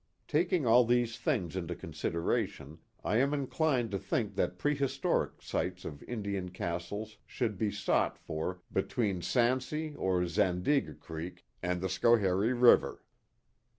Taking all these things into consideration, I am inclined to think that prehistoric sites of Indian castles should be sought for between Sandsea or Zandige Creek, and the Schoharie River.